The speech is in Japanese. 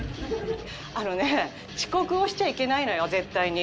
あのね遅刻をしちゃいけないのよ絶対に。